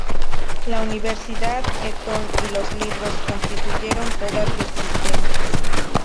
La universidad, Eton, y los libros constituyeron toda su existencia.